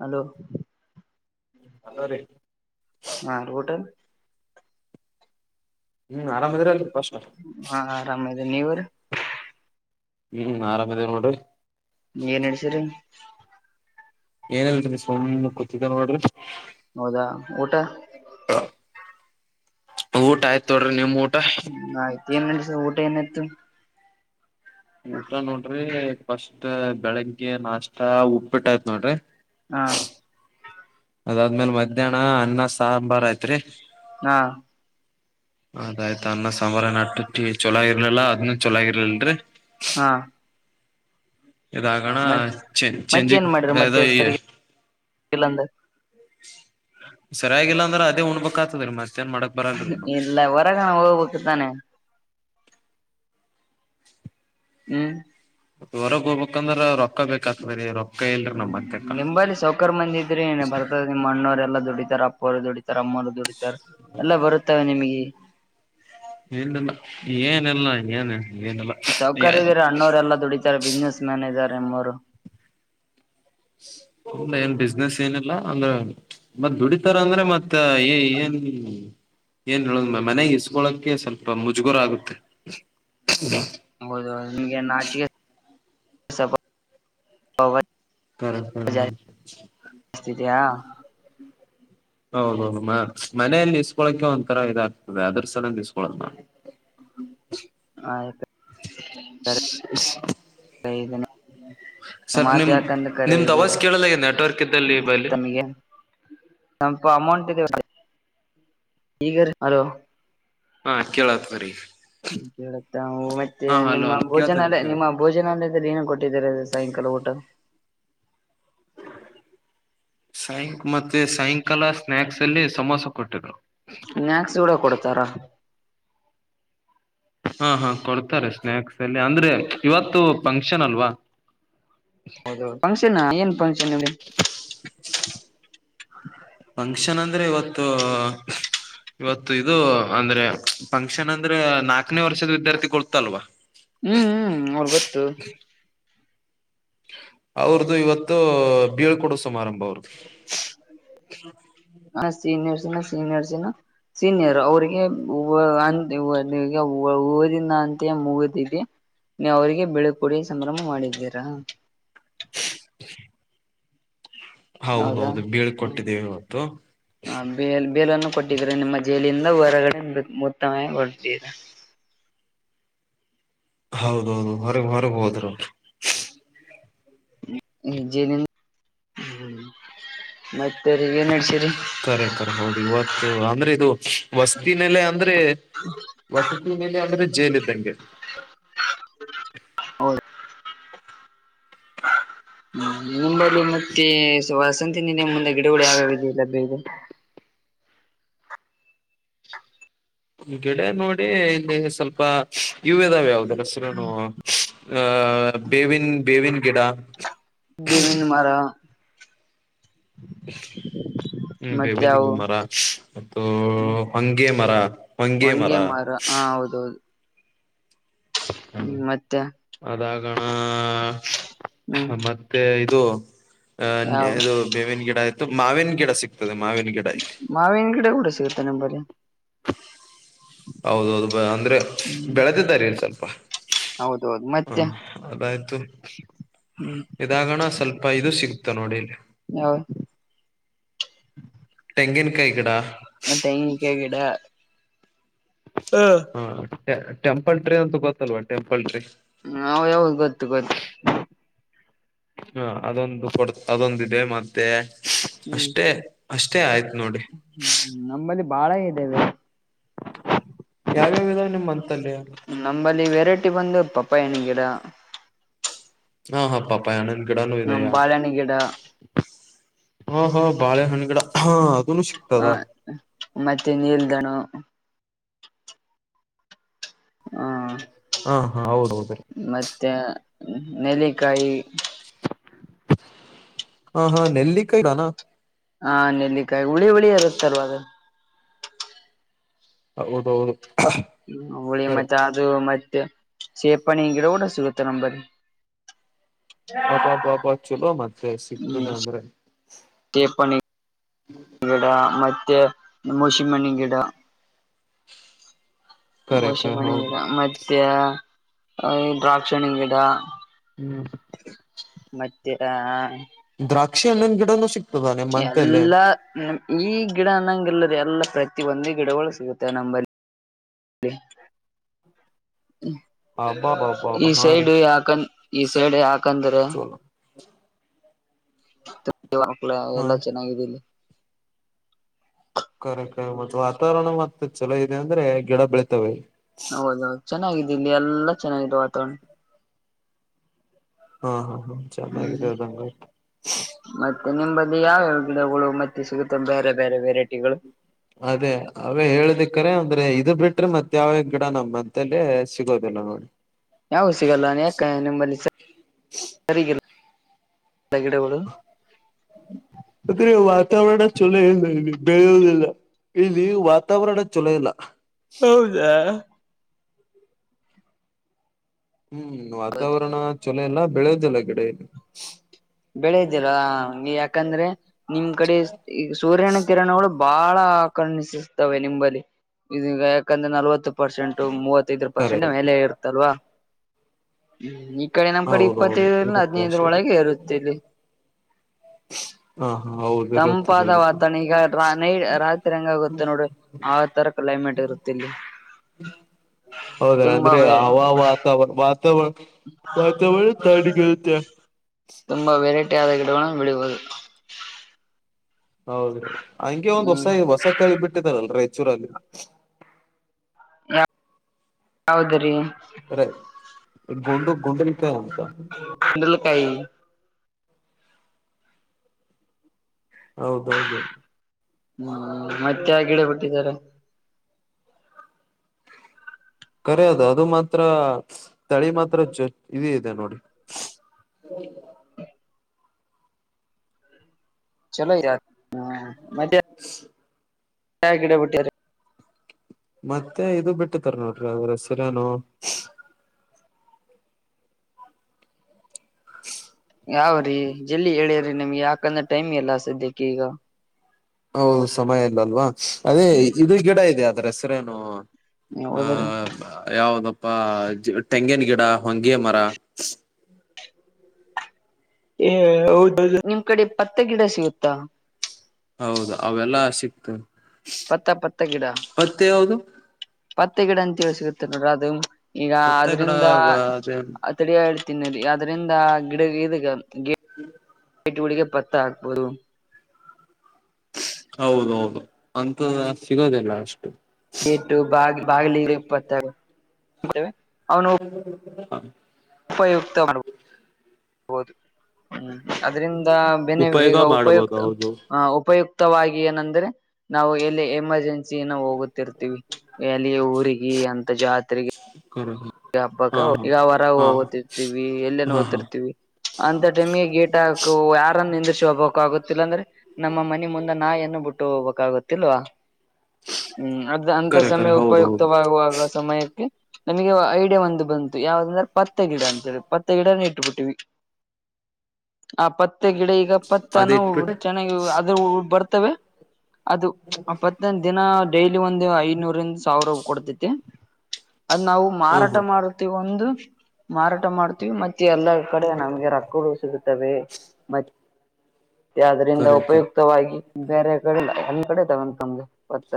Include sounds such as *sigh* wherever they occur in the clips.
Hello hello ರೀ ಹಾಡುಬಊಟ ಹ್ಮ್ ಆರಾಮದ್ರ ಅಲ್ರಿ ಫಸ್ಟ್ ಹಾ ಆರಾಮದ ನೀವರು ಹ್ಮ್ ಆರಾಮಾಮತಿ ನಿೋಡಿ ಏನ್ಡಸರಿ ಏನಲ್ತ್ರಿ ಸುಮ್ನೆ ಕೂತಿದ್ದ ನೋಡ್ರಿ ಹೌದಾ ಊಟ ಊಟ ಆಯ್ತ ತೊಡ್ರಿ ನಿಮ್ ಊಟ ಏನು ಮಸ ಊಟ ಏನತ್ತುು ಊಟ ನೋಡ್ರಿ ಫಸ್ಟ್ ಬೆಳಿಗ್ಗೆ ನಾಷ್ಟ ಉಪ್ಪಿಟ್ಟಯ್ತ್ ನೋಡ್ರಿ ಹಾ ಅದಾದ್ಮೇಲ್ ಮಧ್ಯಾಹ್ನ ಅನ್ನ ಸಾಂಬಾರ್ ಯತ್ರಿ ಹಾ ಅದಾಯ್ತ ಅನ್ನ ಸಂ್ರ ನಟ್ಟಟ್ಟಿ ಚಲಾಗಿರ್ಲಿಲ್ಲಾ ಅದ್ನ್ನ ಚೊಲಾಗಿರ್ಲಲ್ರರಿ ಹಾ ಇದಾಗಣ ಮತ್ ಚ ಮತ್ತ ಚೆಜಿ ಏನ್ ಮಾಡ್ರಿ ದ ಮತ್ತೆ ಈ ಸರಿ ಇಲ್ಲಂದ ಸರಿಯಾಗಿಲ್ಲ ಅಂದ್ರೆ ಅದೇ ಉಣ್ಬೇಕ್ ಆತದರಿ ಮತ್ತೆ ಇಲ್ಲ ಉರಗಣ ಓ್ಬಕ್ ತಾನೆ ಹ್ಮ್ ಹೊರ ಹೋಗ್ಬೇಕಂದ್ರ ರೊಕ್ಕ ಬೇಕ್ ಆಕ್ತರಿ ರೊಕ್ಕ ಇಲ್ರಿ ಹ್ಮ ನಮ್ಮಂತಕ ನಿಂಬಲ್ಲಿ ಸೌಕರ್ ಬಂದಿದ್ರಿ ಬರ್ತದ ನಿಮ್ಮ್ ಅಣ್ಣವರೆಲ್ಲಾ ದುಡಿತಾರಪ್ಪ ದುಡಿತ ಅಮ್ಮರು ದುಡ ಎಲ್ಲ ಬರುತ್ತವೆ ನಿಮಗೆ ಏನಿಲ್ಲ ಏನಿಲ್ಲ ಏನ್ ಏನಿಲ್ಲ ಸೌಕಾರಿ ಇದೀರ ಇಲ್ಲ ಅಣ್ಣವರೆ ಎಲ್ಲಾ ದುಡಿತಾರೆ ಬಿಸ್ನೆಸ್ ಮ್ಯಾನೇಜರ್ ರು ಏನ್ ಬಿಸ್ನೆಸ್ ಏನಿಲ್ಲ ಅಂದ್ರೆ ಮತ್ತತ್ ದುಡಿತಾರ ಅಂದ್ರೆ ಮತ್ೆ ತ್ತ ಏ ಏನು ಏನ್ ಹೇಳದ ಮನೆ ಇಸ್ಕೊಳಕ ಸ್ವಲ್ಪ ಮುಜುಗುರ ಆಗುತ್ತೆ ಹೌದು ನಿಮಗೆ ನಾಚಿಕೆ ಹ ಹ ಹ್ಮ ಜಾಸ್ತಿ ಇದೆಯಾ ಹೌದೌದು ಮನೆಯಲ್ಲಿ ಇಸ್ಕೊಳಕೆ ಒಂಥರ ಇದಾಗ್ತದೆ ಅದ್ರ ಸಲ ಇಸ್ಕೊಳದ ಆಯ್ತ ಸದನ ಸ್ವಲ್ಪ ಮಾತ್ ನಿಮ್ ಯಾಕಂದ ಕರೆ ನಿಮ್ದ್ ಅವಾಜ್ ಇದ್ದರಿ ಕೇಳಲ್ಲ ಈಗ ನೆಟ್ವರ್ಕ್ ಇದ್ದಲ್ಲಿ ಬಲ್ಲಿ ತಮಗೆ ಸ್ವಲ್ಪ ಅಮೌಂಟ್ ಇದೆಗ ಅಲೋ ಹಾ ಕೇಳತ್ವರಿೀ ಹ ಕುತ್ತಾ ಮತ್ತೆ ನಿಮ್ಮ ಹಲೋ ಕೇಳ್ತದೆ ಭೋಜನಲ್ಲ ನಿಮ್ಮ ಕೇಳ್ತ ಭೋಜನಲ್ಲ್ರೆ ಏನು ಕೊಟ್ಟ ಟ್ಟ ಸಾಯಂಕಾಲ ಊಟ ಸಾಯಂಕ ಮತ್ತೆ ಸಾಯಂಕಾಲ ಸ್ನಾಯಕ್ಸ್ ಅಲ್ಲಿ ಸಮೋಸ ಕೊಟ್ಟಿದ್ರು ಸ್ನಾಯಕ್ಸ್ ಕೂಡ ಕೊಡ್ತಾರಾ ಹಾ ಹಾ ಕೊಡ್ತಾರೆ ಸ್ನಾಯಾಕ್ಸ್ ಅಲ್ಲಿ ಅಂದ್ರೆ ಇವತ್ತು ಫಂಕ್ಷನ್ ಅಲ್ವಾ ಹೌದ ಫಂಕ್ಷನ್ ಏನ್ ಫಂಕ್ಷನ್ ಇ ಫಂಕ್ಷನ್ ಅಂದ್ರೆ ಇವತ್ತು ಇವತ್ತು ಇದು ಅಂದ್ರೆ ಫಂಕ್ಷನ್ ಅಂದ್ರೆ ನಾಕನೇ ವರ್ಷದ ವಿದ್ಯಾರ್ಥಿ ಕೊಡ್ತಲ್ವಾ ಹ್ಮ್ ಹ್ಮ್ ಅವ್ರು ಗೊತ್ತು ಅವ್ರದುು ಇವತ್ತು ಬೀಳ್ಕೊಡು ಸಮಾರಂಭ ಅವ್ರದುು ಹ ಸೀನಿಯರ್ಸ್ಿನ ಸೀನಿಯರ್ಸಿನ ಸೀನಿಯರ್ ಅವ್ರಿಗೆ ಗೆ ಊದಿನ ಅಂತ ಮುಗಿದವಿ ನೀ ಅವ್ರಿಗೆ ಬಿಳು ಕುಡಿ ಸಂಭ್ರಮ ಮಾಡಿದ್ದೀರಾ ಹೌದಾ ಹೌದೌದು ಬೀಳ್ಕೊಟ್ಟಿದ್ದೀವಿ ಇವತ್ತು ಬ ಕೊಟ್ಟಿದ್ರ ನಿಮ್ಮ ಜೈಲಿಂದ ಹೊರಗಡೆ ಮೊತ್ತ ಹೊಡ್ದ್ರ ಹೌದೌದು ಹೊರಗೆ ಹೊರಗೆ ಹೋದರು ಜ ಮತ್ತ ಏನ್ಡ್ಸಿರಿ ಕಖರೆ ಕಖರೆ ಹೌದು ಇವತ್ತು ಅಂದ್ರೆ ಇದು ವಸ್ತಿನೆಲೆ ಅಂದ್ರೆ ್ರೆ ವಸತಿ ಮೇಲೆ ಅ್ರೆ ಜೇಲ ಇದ್ದಂಗೆ ಹ್ಮ ನಿಂಬಲ್ಲಿ ಮತ್ತೆ ವಸಂತಿ ನಿನ ಮುಂದೆ ಗಿಡಗಳು ಯಾವ್ಯಾವ ಲಭ್ಯ ಇದೆ ಿಡ ನೋಡಿ ಇಲ್ಲಿ ಸ್ವಲ್ಪ ಇವು ಇದಾವೆ ಯಾವದಸರ ಅಹ ಬೇವಿನ ಬೇವಿನ ಗಿಡ ಬಮಿನ ಮಾರ ಹ್ಮ್ ಮತ್ತೆ ಬೇಬನಿ ಅವು ಮರ ಮತ್ತು ಹಂಗೆ ಮರ ಮಂಗ ಮರ ಹಾ, ಹೌದೌದು ಹ್ಮ್, ಮತ್ತೆ ಹ್ಮ್ ಹಾ, ಮತ್ತೆ ಇದು ಅ ಯಾವ ಅದು ಬೇವಿನ ಗಿಡ ಇತ್ತು ಮಾವಿನ ಗಿಡ ಸಿಗ್ತದೆ. ಮಾವಿನ ಗಿಡ ಇಲ್ಲಿ ಮಾವಿ ಗಿಡ ಕೂಡ ಸಿಗುತ್ತಾ ನಿಮ್ಮ ಬಲ್ಲಿ. ಹೌದೌದು, ಅಂದ್ರೆ ಹ್ಮ್ ಬೆಳೆದಾರಲ್ಲಿ ಸ್ವಲ್ಪ ಹೌದೌದು ಹ, ಮತ್ತೆ ಅದಾಯ್ತು ಹ್ಮ್ ಇದಾಗಣ್ಣಸ್ವಲ್ಪ ಇದು ಸಿಗುತ್ತ ನೋಡಿಲಿ ಹ್ಮ *inaudible* ತೆಂಗಿನಕಾಯಿ ಗಿಡ ತೆಂಗಿನಕಾಯಿ ಗಿಡ ಹಾ, ಟೆಂಪಲ್ ಟ್ರೇ ಅಂತೂ ಗೊತ್ತಲ್ವಾ., ಟೆಂಪಲ್ ಟ್ರೇ ಹ್ಮ ಹದ ಹದ ಗೊತ್ತು ಗೊತ್ತು *unintelligible* ಹಾ, ಅದೊಂದು ಕೊಡ್ ಅದೊಂದ ಇದೆ. ಮತ್ತೆ ಹ್ಮ್ ಅಷ್ಟೇ -ಅಷ್ಟೇ ಆಯ್ತು ಹ್ಮ್, ನಮ್ಮಲ್ಲಿ ಬಾಳ ಇದೇವೆ ಯಾವ ನಿಮ್ಮ *unintelligible* ನಮ್ಮಂಬಲ್ಲಿ ವೆರೈಟಿ ಬಂದ ಪಪಾಯಣ್ಙಿನ ಗಿಡಹ ಹಾ, ಹಾ ಪಪ್ಪಯಣ್ಣಿನ ಗಿಡಾನು ಇದೇಯಾ.. ಬಾಳೆಹಣ್ಣ ಗಿಡ ಓಹೋ, ಬಾಳೆಹಣ್ಣಗಿಡ ಹ ಹಾ, ಮತ್ತೆ ನೀಲ್ದಣ್ಣು. ಹಾ *inaudible* ಹಾ, ಹಾ ಹೌದೌದ ರೀ ನೆಲ್ಲಿಕಾಯಿ ಹಾ, ಹಾ ನೆಲ್ಲಿಕಾಯಿ ನಾನ ಹಾ, ನೆಲ್ಲಿಕಾಯಿ ಹುಳಿ -ಹುಳಿ ಇರುತ್ತ್ಲ್ವದು. ಹೌದೌದು, ಹ, ಹುಳಿ ಕರೆ ಮತ್ತೆ ಅದು ಮ ಸೇಪನ್ನಿಂಗಿಡ ಕೂಡ ಸಿಗುತ್ತೆ ನಂಬಲ್ಲಿ. ಅಬ್ಬಾ ಬ! ಚಲೋ ಮತ್ತೆ ಹ್ಮ್ ಸಿಗ್ತದೆ ಅಂದ್ರೆ, ಸೇಪಣಿ ಗಿಡ ಮತ್ತೆ ಮೋಸಿಂಬಣ್ಣಿನ ಗಿಡ. ಕರೆ ಕರೆ ಮೋಸಂಬಿ ಅಣ್ಣಿನ ಹೌದು ಗಿಡ, ಮತ್ತೆ ದ್ರಾಕ್ಷಣ್ಣಿನಗಿಡ ಹ್ಮ್, ಮತ್ತೆ, ದ್ರಾಕ್ಷಿ ಹಣ್ಣಿನ ಗಿಡನೂಸಿಗತದ ಎಲ್ಲಾ ಈ ಗಿಡ ಅನ್ನಂಗಲ್ಲ ಎಲ್ಲ ಪ್ರತಿ ಒಂದು ಗಿಡಗಳು ಸಿಗುತ್ತೆ ನಂಬಲ್ಲಿ. ಈ ಅಬ್ಬಬ್ಬಬ್ಬಾ ಹಾ ರೀ ಸೈಡ್ ಯಾಕನ್ ಈ ಸೈಡ್ ಯಾಕಂದ್ರೆ ಹ *inaudible* ಮಕ್ಳ ಎ *unintelligible* ಹಾ ಲ್ಲಾ ಚೆನ್ನಾಗಿದ್ದೀಲ್ಲಿ ಕರೆ ಕರಿ ಮ ವಾತಾವರಣ ಮತ್ತೆ ಚಲೋ ಇದೆ ಅಂದ್ರೆ ಗಿಡ ಬೆಳಿತಾವೆಇಲ್ಲಿ. ಹೌದೌದು, ಚೆನ್ನಾಗಿದ್ದೆ ಇಲ್ಲಿ ಎಲ್ಲಾ ಚೆನ್ನಾಗಿದೆ ವಾತಾವರಣ ಹಾ, ಹಾ, ಹಾ ಚನ್ನಾಗಿ ಹ್ಮ್ ಆ ಮತ್ತೆ ನಿಮ್ಮಂಬಲ್ಲಿ ಯಾವ್ಯಾವ ಗಿಡಗಳು ಮತ್ತೆ ಸಿಗುತ್ತವೆ. ಬೇರೆ- ಬೇರೆ ವೆರೈಟಿಗಳು ಅದೇ, ಅವೇ ಹೇಳುದಕ್ಕೆ ಕರೆ ಅಂದ್ರೆ ಇ ಇದು ಬಿಟ್ರೆ ಮತ್ತ ಯಾವ ಗಿಡ ನಮ್ ಮಂತಲ್ಲೇ ಸಿಗೋದಿಲ್ಲ ನೋಡಿ. ಯಾವವುಸಿಗಲ್ಲ ಯಾಕ ನಿಂಬಲ್ಲಿ ಸರಿಯಾಗಿಲ್ಲ ಗಿಡಗಳುಗಳು. ಅದ್ರೆ ವಾತಾವರಣ ಚಲೋ ಇಲ್ಲ ಇಲ್ಲಿ ಬೆಳುದಿಲ್ಲ. ಇಲ್ಲಿ ವಾತಾವರಣ ಚೊಲೋ ಇಲ್ಲ. ಹೌದಾ, - ಹ್ಮ್ ವಾತಾವರಣ ಚೊಲ ಎಲ್ಲಾ ಬೆಳೆಯದಲ್ಲ ಗಿಡ ಬೆಳೆದಲ್ವಾ ಯಾಕಂದ್ರೆ ನಿಮ್ ಕಡೆ ಈ ಸೂರ್ಯನ ಕಿರಣಗಳು ಬಹಳ ಆಕರ್ಣಿಸಿಸ್ತವೆ ನಿಂಬಲ್ಲಿ ಇದೀಗ ಯಾಕಂದ್ರೆ ನಲವತ್ತು. ಪರ್ಸೆಂಟ್ ಮೂವತ್ತೈದು ಕರೆ ಪರ್ಸೆಂಟ್ ಮೇಲೆ ಇರುತ್ತಲ್ವಾ. ಈ ಕಡೆ ನಮ್ ಕಡೆ ಹೌದೌದು ಇಪ್ಪತ್ತೈದರಲ್ಲ ಇರುತ್ತೆ ಹದ್ಿನೈದರ ಅಷ್ಟೇ ಒಳಗೆ ಇರುತ್ತೆ ಇಲ್ಲಿ ಹಾ ಹಾ ಹೌದು ಇರುತ್ತದೆ ತಂಪಾದ ಇರುತ್ತದೆ ವಾತಾವರಣ ಈಗ ನೈ ರಾತ್ರಿ ಹಂಗ ಗೊತ್ತೆ ನೋಡ ಆ ತರ ಕ್ಲೈಮೆಟ್ ಇರ್ತ್ತಲ್ಲಿ ಹೌದ ಅಂದ್ರೆ ಹ ವಾತಾವರಣ ವಾತಾವರಣ ವಾತಾವರಣ ತಣ್ಣಗಿರುತ್ತೆ ತುಂಬಾ ವೆರೈಟಿ ಗಿಡದ ಗಡಗವನ್ನು ಬಿಳುವುದು. ಹೌದ್ರಿ ಹಂಗೆ ಒಂದ್ ಹೊಸ ಹೊಸ ತಳಿ ಬಿಟ್ಟಿದಾರಲ್ ರೈತ ಚೂರಲ್ಲಿ ಹೌದ್ರಿ ಅರ ಗೋಂಡು ಗೋಂಡ ಇತ ಆಂತ. ಕುಂಡಲಕಾಯಿ ಹೌದದು ತ್ಯ ಗಿಡ ಬಿಟ್ಟಿದ್ದಾರೆ. ಕರಿ ಅದು ಅದು ಮಾತ್ರ ತಳಿ ಮಾತ್ರ ಇದ. ಇ ನೋಡಿ. ಹ ಚಲೋ ಯಾತ್ *inaudible* ಹ ಗಿಡ ಬಟ್ಟಿಯಾರೆ. ಮತ್ತೆ ಇದು ಬಿಟ್ಟತಾರ ನೋಡ್ರಿ ಅದ್ರ ಸರನು. *inaudible* ಯಾವ್ರೀ ಎಲ್ಲಿ ಎ್ಯ್ರಿ ನಿಮ್ಗೆ ಯಾಕಂದ್ರೆ ಟೈಮ್ ಎಲ್ಲ ಸಧ್ಯ್ಯಕ್ಕೆ ಈಗ ಹೌದು ಸಮಯ ಇಲ್ಲ ಅಲ್ವಾ. ಅದೇ ಇದು ಗಿಡ ಇದೆ ಅದ್ರ ಹೆಸರೇನು ನೀವ್ ಹೋದ್ರ ಆಹ ಯಾವದ. ಅ ತೆಂಗನ್ ಗಿಡ ಹೊಂಗಗೆ ಮರ. ಹೌದೌ ನಿಮ್ ಕಡೆ ಪತ್ತ ಗಿಡ ಸಿಗುತ್ತಾ. ಹೌದು ಅವೆಲ್ಲಾ ಸಿಕ್ತ ಪತ್ತ ಪತ್ತ ಗಡ ಮತ್ತೆ ಯಾವ್ದು ಪತ್ತ ಗಿಡ ಅಂತೀವಸಗ ತಿ ಅ ಈಗ ಮತ್ತೆ ಗಿಡ ಅದ್ರಿಂದ ಅದೇನ್ ತಡಿಯ ಇಡ್ ತಿನ್ನ ಅದ್ರಂದ ಗಿಡ ಇದಗ ಹ್ಮ್ ಪೈಟ್ಗಳಳಿಗೆ ಪತ್ತ ಹಾಕ್ಬೋದು ಹೌದೌದು ಅಂತ ಸಿಗೋದಿಲ್ಲ ಅಷ್ಟು. ಗೇಟು ಬಾಗಿ ಬಾಗಿಲಪ್ಪತವೆ. ಹ್ಮ ಉಪಯುಕ್ತ ಮಾಡ್ಬದುದು ಹ್ಮ. ಅದ್ರಂದ ಬೆನೆ ಉಪಯೋಗ ಈಗ ಮಾಡ್ಬೋದು ಉಪಯುಕ್ತ ಹೌದು ಉಪಯುಕ್ತ ಮುಕ್ತವಾಗಿ ಏನಂದ್ರೆ ನಾವು ಎಲ್ಲಿ ಎಮರ್ಜೆನ್ಸಿ. ಸನ ಹೋಗುತ್ತಿರ್ತಿವಿ ಎಲ್ಲಿ ಊರಿಗೆ ಅಂತ ಜಾತ್ರೆಗೆ ಕರ ಈ ಹಬ್ಬಕ್ಕ ಹಾ ಹಾ ಈಗ ಹೊರ ಹಾ ಓತಿಿರ್ತಿೀವಿ ಎಲ್ಲನು ಹಾ ಹಾ ಓದತಿರ್ತಿವಿ ಅಂತ ಟೈಮ್ಗೆ ಗೇಟ್ ಹಾಕು ಯಾರನ್ನು ನಂದಿಿಸಿಿ ಹೋಗ್ಬೇಕಕ್ ಆಗುತ್ತಿಲ್ಲ ಅಂದ್ರೆ ನಮ್ಮ ಮನಿ ಮುಂದೆ ನಾ ಏನು ಬಿಟ್ಟುಗಬೇಕಾಗುತ್ತೆ. ಇಲ್ವಾ ಹ್ಮ್ ಅದ ಅಂತ ಕರೆ ಕರೆ ಸಮಯ ಹೌದು ಹೌದು ಉಪಯುಕ್ತವಾಗುವಾಗ ಸಮಯಕ್ಕೆ ನಮಗೆ ಐಡಿಯಾ ಒಂದು ಬಂತು ಯಾವ್ದಂದ್ರೆ ಪತ್ತೆ ಗಿಡ ಅಂತೇಳಿ ಪತ್ತೆ ಗಿಡ ಬಿಟ್ಟೀವಿ ಆ ಪತ್ತು ಮತ್ತೆ ಗಿಡ ಈಗ ಅದ ಪತ್ತನ ಇಟ್ಬಿಟ್ಟ ಚೆನ್ನಾಗಿ ಅದ್ರ ಬರ್ತವೆ. ಅದು ಅಪ್ಪತ್ತಂದ ದಿನ ಡೈಲಿ ಒಂದು ಐನೂರಂದ ಸಾವಿರ ಕೊಡ್ತತಿ. ಹ ಹಾ ಮಾಡತೀ ಒಂದು ಮಾರಾಟ ಮಾಡ್ತೀವಿ ಮತ್ತೆ ಎಲ್ಲಾ ಕಡೆ ನಮ್ಗೆ ರೊಕ್ಕಗಳು ಸಿಗುತ್ತವೆ ಮತ್ತೆ ಆದ್ದರಿಂದ ಕರೆ ಕರೆ ಉಪಯುಕ್ತವಾಗಿ ಬೇರೆ ಕಡೆಲ್ಲ ಹಂದ್ ಕಡೆ ತಗಂತಂದು ಮತ್ತ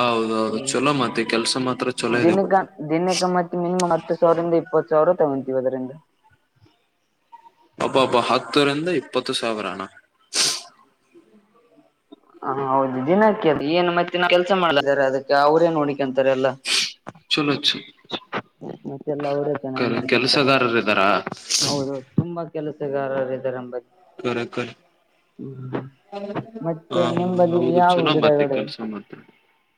ಹೌದೌದು ಚಲೋ ಮಾತ್ತ ಕೆಲ್ಸ ಮಾತ್ರ ಚಲೋ ಇದೆ ದಿನಕ ಮತ್ತೆ ದಿನಕ್ಕೆ ಮತ್ತೆ ಮಿನಿಮಮ್ ಹತ್ತು ಸಾವಿರಂದ ಇಪ್ಪತ್ತು ಸಾವಿರ ತಗೊಂತೀವಿ ಅದರಿಂದ ಅಬ ಅಪ ಹತ್ತರಿಂದ ಇಪ್ಪತ್ತು ಸಾವಿರಣ ಹ ಹೌದು ದಿನಕ್ಕೆ ಏನ್ ಮತ್ತೆ ಕೆಲ್ಸ ಮಾಡ್ಲಾರೆ ಅದಕ್ಕೆ ಅವ್ರೇನ್ ಹೋಡಿಕೊಂತಾರೆ ಎಲ್ಲಾ ಚಲ ಚ ಮತ್ತೆಲ್ಲ ಅವರೇ ಚೆನ್ನಾಗಿ ಕರೆ ನೋಡ್ಕಂತಾರೆ ಕೆಲ್ಸಗಾರರ ಇದ್ದಾರಾ ಹೌದೌ ತುಂಬಾ ಕೆಲಸ ಗಾರಿದರಂಬಗ್ ಕರ ಕ ಮತ್ತೆ ಹಾ ನಿಂಬಲ್ಲಿ ಹೌದು ಚಲೋ ಮತ್ತೆ ಕೆಲ್ಸ ಮಾತ್ರ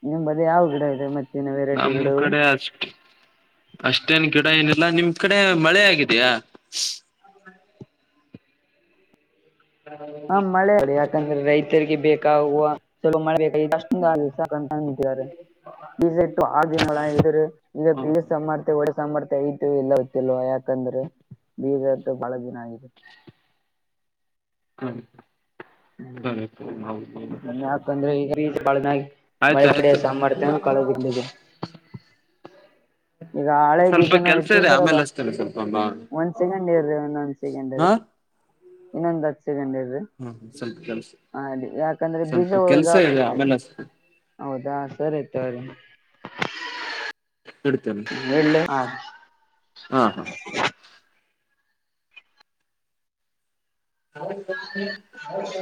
ನಿಮ್ಮ ಬದ ಯಾವ ಗಿಡ ಇದೆ ಮತ್ತೇನ ವೆರೈಟಿ ನಮ್ ಗಿಡಗಳು ಕಡೆ ಅಷ್ಟ ಅಷ್ಟೇನ್ ಗಿಡ ಏನಿಲ್ಲ ನಿಮ್ ಕಡೆ ಮಳೆ ಆಗಿದ್ಯಾ ಹಾ ಮಳೆ ಯಾಕಂದ್ರೆ ರೈತರಿಗೆ ಬೇಕಾ ಹ ಚಲೋ ಮಳೆ ಬೇಕಷ್ಟೊ ಆಗ್ಸ ಕ ನಿಟ್ಟಿದ್ದಾರೆ ಬಟ್ಟು ಆರು ದಿನಗಳ ಎದುರು ಈಗ ಹ ಬೃಹಸ್ ಸರ್ತೆ ಒಳ ಸಾಮರ್ಥ್ಯ ಐತ ಇಲ್ಲತಿಲ್ವ ಯಾಕಂದ್ರೆ ಬೀರ್ದು ಬಹಳ ದಿನ ಆಗಿದೆ ಸರಿ ಸರಿ ಹೌದು ಹ ಯಾಕಂದ್ರೆಳ ಆಯ್ತು ಮಳೆ ಕಡೆ ಆಯ್ತು ಸಂಬಾರತಾನ ಕಳ ಬಿಡ್ಲಿದೆ ಈಗ ಹಳೆ ಸ್ವಲ್ಪ ಬೀಜನ ಕೆಲ್ಸ ಇದೆ ಇಟ್ಟಿದ್ದಾರಲ್ಲ ಆಮೇಲೆ ಅಷ್ಟತೇನೆ ಸ್ವಲ್ಪ ಬಾ ಒಂದ್ ಸೆಕೆಂಡ್ ಇರಿ ಒಂದೊಂದ್ ಸೆಕೆಂಡ್ ಹಾ ರೀ ಹಾ ಇನ್ನೊಂದು ಹಚ್ಚಗೊಂಡಿದು ಸ್ವಲ್ಪ ಕೆಲ್ಸ ಅ ಯಾ ಬೀಜ ಸ್ವಲ್ಪ ಹಾಗ ಕೆಲ್ಸ ಇದೆ ಆಮೇಲೆ ಅಷ್ಟತೇನೆ ಹೌದಾ ಸರಿ ಆಯ್ತ್ರೀ *inaudible* ಇಡ್ತೇನೆ ಹೇಳ ಆ ಹಾ ಹಾ ಹೌ ಹೌ